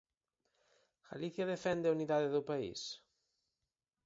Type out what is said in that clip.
¿Galicia defende a unidade do país?